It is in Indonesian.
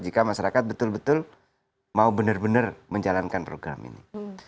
jika masyarakat betul betul mau benar benar menjalankan program ini